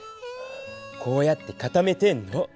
こうやって固めてんの。